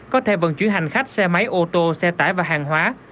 có thể vận chuyển hành khách xe máy ô tô xe tải và hàng hóa